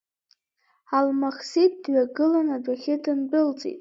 Алмахсиҭ дҩагылан адәахьы дындәылҵит.